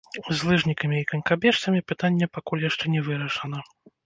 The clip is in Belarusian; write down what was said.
З лыжнікамі і канькабежцамі пытанне пакуль яшчэ не вырашана.